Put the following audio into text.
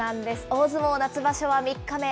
大相撲夏場所は３日目。